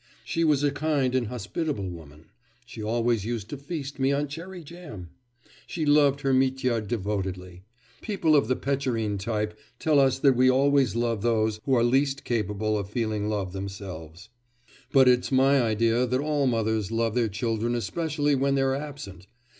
She was a kind and hospitable woman; she always used to feast me on cherry jam. She loved her Mitya devotedly. People of the Petchorin type tell us that we always love those who are least capable of feeling love themselves; but it's my idea that all mothers love their children especially when they are absent.